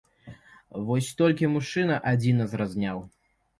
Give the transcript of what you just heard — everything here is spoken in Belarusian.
Вось толькі мужчына адзін нас разняў.